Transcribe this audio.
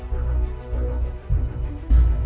đối tượng giả